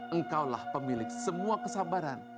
engkaulah pemilik semua kesabaran